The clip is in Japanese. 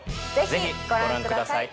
ぜひご覧ください